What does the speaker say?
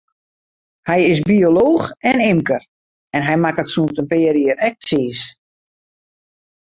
Hy is biolooch en ymker, en hy makket sûnt in pear jier ek tsiis.